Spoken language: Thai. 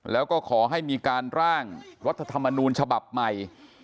แล้วก็ขอให้มีการร่างรัฐธรรมนูญฉบับใหม่